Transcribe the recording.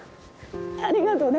ありがとね。